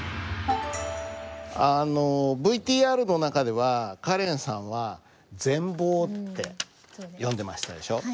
あのＶＴＲの中ではカレンさんは「ぜんぼう」って読んでましたでしょ。